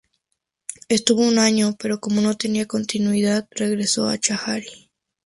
Estuvo un año, pero como no tenía continuidad regresó a Chajarí.